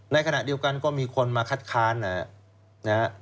ในขณะเดียวกันก็มีคนมาคัดค้านนะฮะ